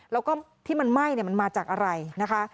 แล้วก็ที่มันไหม้มันมาจากอะไรนะคะ